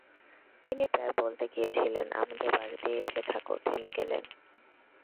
তিনি প্রায় বলতে গিয়েছিলেন, আমাদের বাড়িতেই এসে থাকো– থেমে গেলেন।